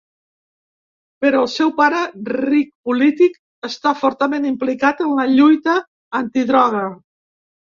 Però el seu pare, ric polític, està fortament implicat en la lluita antidroga.